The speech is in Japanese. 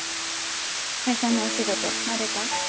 会社のお仕事慣れた？